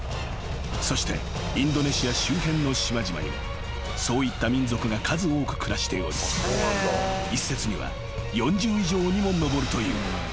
［そしてインドネシア周辺の島々にもそういった民族が数多く暮らしており一説には４０以上にも上るという］